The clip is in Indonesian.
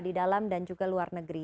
di dalam dan juga luar negeri